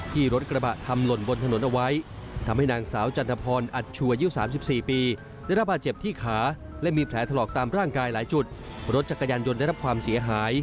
ที่รถกระบะทำหล่นบนถนนเอาไว้